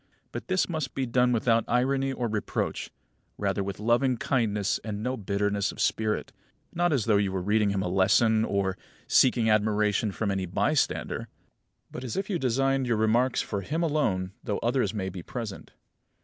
But this must be done without irony or reproach, rather with loving kindness and no bitterness of spirit; not as though you were reading him a lesson, or seeking admiration from any bystander, but as if you designed your remarks for him alone, though others may be present.